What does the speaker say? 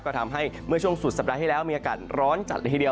ก็ทำให้เมื่อช่วงสุดสัปดาห์ที่แล้วมีอากาศร้อนจัดละทีเดียว